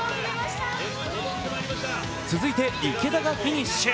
続いて池田がフィニッシュ。